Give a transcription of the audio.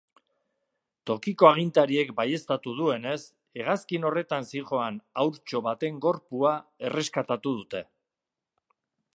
Tokiko agintariek baieztatu duenez, hegazkin horretan zihoan haurtxo baten gorpua erreskatatu dute.